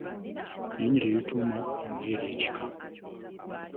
Lino erinnya terituumwa ng’ery’ekika.